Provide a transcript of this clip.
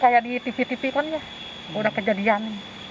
kayak di tv tv kan ya udah kejadian